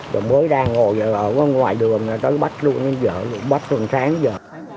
rồi mới đang ngồi ở ngoài đường tới bách luôn bách hôm sáng giờ